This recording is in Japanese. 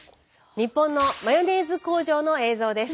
日本のマヨネーズ工場の映像です。